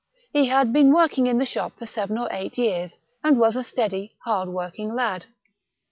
He had been working in the shop for seven or eight years, and was a steady, hard working lad.